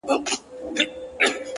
• هر یوه ته خپل قسمت وي رسېدلی ,